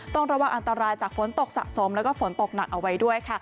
ต้องระวังอันตรายจากฝนตกสะสมแล้วก็ฝนตกหนักเอาไว้ด้วยค่ะ